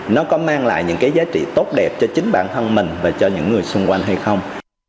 nó có mang lại những cái giá trị tốt đẹp cho chính bản thân mình và cho những người xung quanh hay không